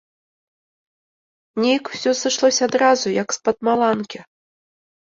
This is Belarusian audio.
Нейк усё сышлося адразу як з-пад маланкі.